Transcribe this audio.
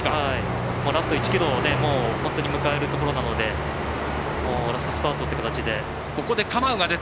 ラスト１ｋｍ本当に迎えるところなのでラストスパートっていう形で。